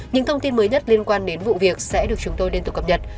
những thông tin mới nhất liên quan đến vụ việc sẽ được chúng tôi liên tục cập nhật